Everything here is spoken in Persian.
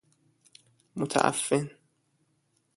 متعفن